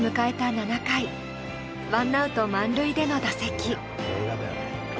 ７回、ワンアウト満塁での打席。